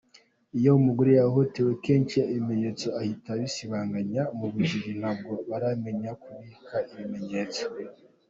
Iyo umugore yahohotewe kenshi ibimenyetso ahita abisibanganya mu bujiji ntabwo baramenya kubika ibimenyetso.